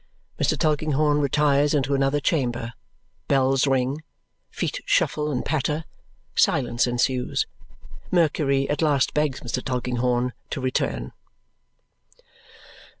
Mr. Tulkinghorn retires into another chamber; bells ring, feet shuffle and patter, silence ensues. Mercury at last begs Mr. Tulkinghorn to return.